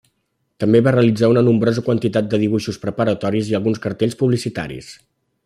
També va realitzar una nombrosa quantitat de dibuixos preparatoris i alguns cartells publicitaris.